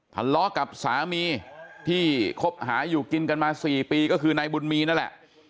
ทะเลาะกับสามีที่คบหาอยู่กินกันมา๔ปีก็คือนายบุญมีนั่นแหละ